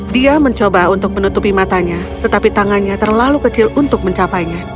dia mencoba untuk menutupi matanya tetapi tangannya terlalu kecil untuk mencapainya